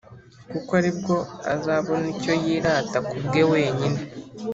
kuko ari bwo azabona icyo yirata ku bwe wenyine